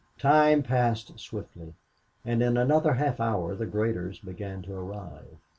Time passed swiftly, and in another half hour the graders began to arrive.